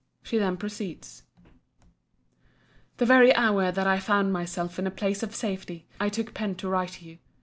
She then proceeds:] The very hour that I found myself in a place of safety, I took pen to write to you.